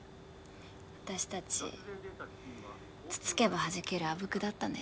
私たちつつけばはじけるあぶくだったね。